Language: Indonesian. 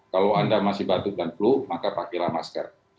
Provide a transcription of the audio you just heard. kalau anda masih batuk dan flu maka pakailah masker